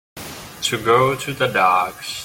To go to the dogs.